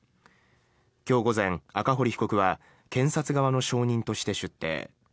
今日午前、赤堀被告は検察側の証人として出廷。